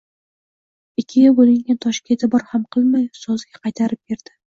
Ikkiga boʻlingan toshga eʼtibor ham qilmay, ustoziga qaytarib berdi